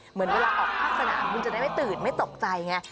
เหมือนเวลาออกภาคสนามคุณจะได้ไม่ตื่นไม่ตกใจไง